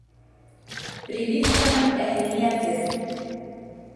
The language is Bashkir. Прививканың әһәмиәте